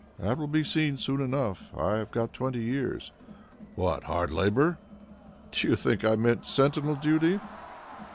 "That will be seen soon enough. I have got twenty years." "What? Hard labour?" "Did you think I meant sentinel duty?"